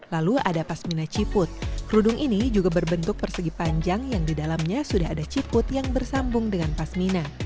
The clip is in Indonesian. lalu ada pasmina ciput kerudung ini juga berbentuk persegi panjang yang di dalamnya sudah ada ciput yang bersambung dengan pasmina